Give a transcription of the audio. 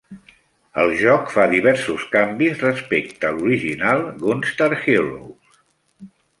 El joc fa diversos canvis respecte a l'original "Gunstar Heroes".